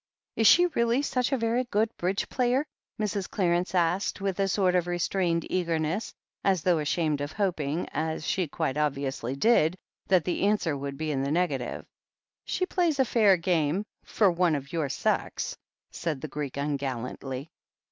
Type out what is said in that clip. "Is she really such a very good Bridge player ?" Mrs. Clarence asked, with a sort of restrained eagerness, as though ashamed of hoping — as she quite obviously did — ^that the answer would be in the negative. "She plays a fair game — for one of your sex," said the Greek ungallantly.